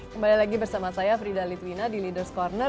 kembali lagi bersama saya frida litwina di leaders' corner